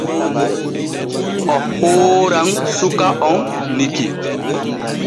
O hooran suka on Niki.